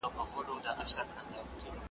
هغه پرمختګ کړی دی.